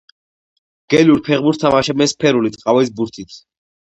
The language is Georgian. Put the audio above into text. გელურ ფეხბურთს თამაშობენ სფერული, ტყავის ბურთით.